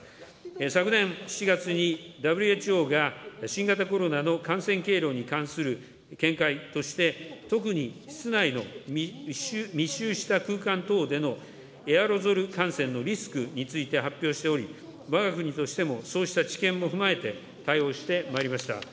昨年７月にＷＨＯが新型コロナの感染経路に関する見解として、特に室内の密集した空間等でのエアロゾル感染のリスクについて発表しており、わが国としてもそうした知見も踏まえて対応してまいりました。